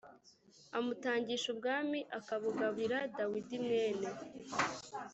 amutangisha ubwami akabugabira dawidi mwene